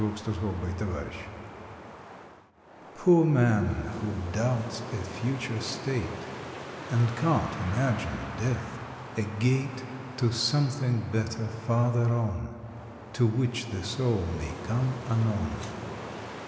August Twentieth IDLE "DOOR man, who doubts a future state, And can t imagine Death a gate To something better farther on To which the soul may come anon!